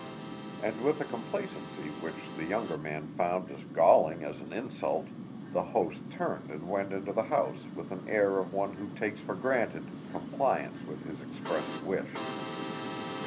And with a complacency which the younger man found as galling as an insult, the host turned and went into the house with an air of one who takes for granted compliance with his expressed wish.